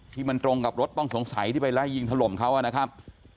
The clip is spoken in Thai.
ที่มันตรงกับรถต้องสงสัยที่ไปไล่ยิงถล่มเขานะครับ